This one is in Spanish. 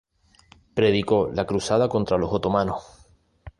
Predicó la cruzada contra los otomanos.